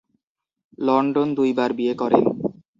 London দুইবার বিয়ে করেন।